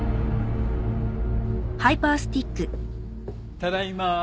ただいま。